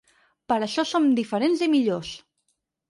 Per això som diferents i millors.